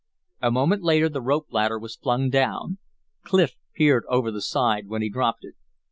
A moment later the rope ladder was flung down. Clif peered over the side when he dropped it.